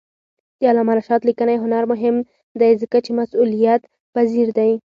د علامه رشاد لیکنی هنر مهم دی ځکه چې مسئولیتپذیر دی.